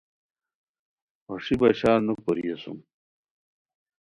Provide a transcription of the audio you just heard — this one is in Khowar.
پھݰی بشار نو کوری اسوم